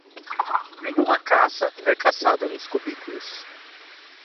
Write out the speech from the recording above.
Nenhuma caça é caçada nos cubículos!